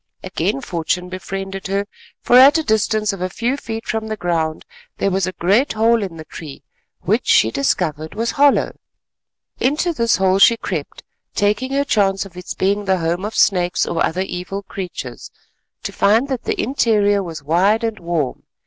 Again fortune befriended her, for at a distance of a few feet from the ground there was a great hole in the tree which, she discovered, was hollow. Into this hole she crept, taking her chance of its being the home of snakes or other evil creatures, to find that the interior was wide and warm.